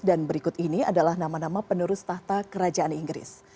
dan berikut ini adalah nama nama penerus tahta kerajaan inggris